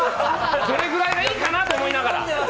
それぐらいがいいかなと思って。